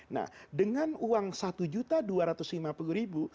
nah dengan uang satu juta dua ratus lima puluh ribu